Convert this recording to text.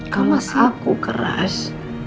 kalau aku keras